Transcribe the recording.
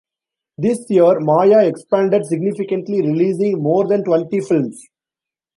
This year, Maya expanded significantly releasing more than twenty films.